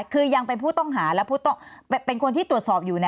คือยังเป็นผู้ต้องหาและเป็นคนที่ตรวจสอบอยู่